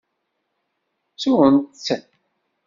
Ttun-tt.